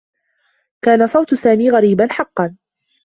كان صوت سامي غريبا حقّا.